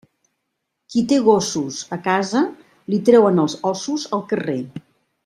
Qui té gossos a casa, li treuen els ossos al carrer.